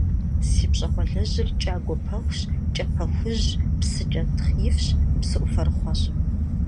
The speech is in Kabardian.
Си пщӏэгъуалэжьыр кӏагуэ пэхущ, кӏапэ хужьщ, псы кӏэнтхъ ифщ, псыӏуфэрыхъуэщ.